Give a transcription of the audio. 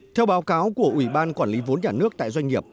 theo báo cáo của ủy ban quản lý vốn nhà nước tại doanh nghiệp